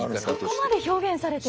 そこまで表現されている。